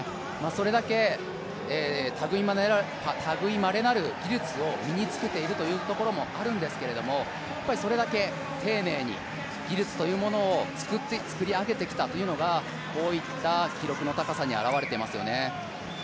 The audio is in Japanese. それだけ類まれなる技術を身に付けているところもあるんですけれども、それだけ丁寧に技術というものを作り上げてきたというのがこういった記録の高さに表れてますよね。